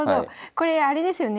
これあれですよね